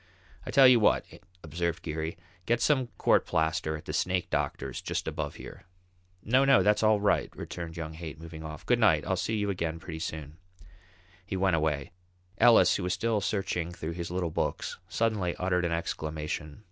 "I tell you what," observed Geary; "get some court plaster at the snake doctor's just above here." "No, no, that's all right," returned young Haight, moving off. "Good night. I'll see you again pretty soon." He went away. Ellis, who was still searching through his little books, suddenly uttered an exclamation.